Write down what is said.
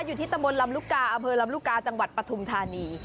อยู่ที่ตะบนลำลูกกาอำเภอลำลูกกาจังหวัดปฐุมธานี